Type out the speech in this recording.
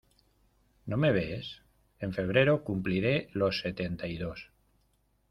¿No me ves? en febrero cumpliré los setenta y dos.